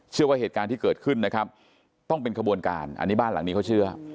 ว่าเหตุการณ์ที่เกิดขึ้นนะครับต้องเป็นขบวนการอันนี้บ้านหลังนี้เขาเชื่อ